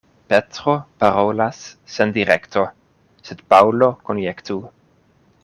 Petro parolas sen direkto, sed Paŭlo konjektu.